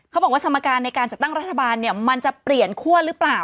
เขาบอกว่าสมการในการจัดตั้งรัฐบาลมันจะเปลี่ยนข้วนหรือเปล่า